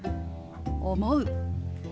「思う」。